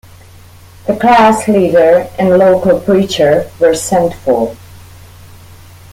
The class-leader and local preacher were sent for.